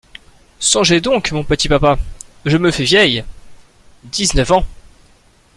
Songez donc, mon petit papa, je me fais vieille… dix-neuf ans !…